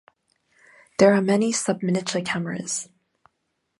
There are many subminiature cameras.